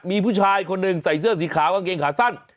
มีผู้ชายคนหนึ่งใส่เสื้อสีขาวกางเกงขาสั้น